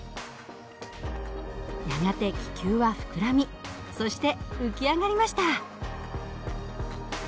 やがて気球は膨らみそして浮き上がりました。